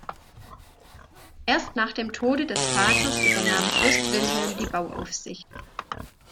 Erst nach dem Tode des Vaters übernahm Fürst Wilhelm die Bauaufsicht.